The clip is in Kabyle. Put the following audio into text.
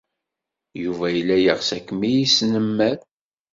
Yuba yella yeɣs ad kem-yesnemmer.